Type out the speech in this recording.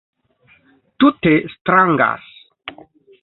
Tute strangas